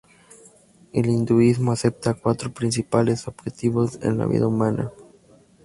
El Hinduismo acepta cuatro principales objetivos en la vida humana.